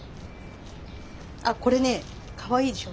あこれねかわいいでしょ。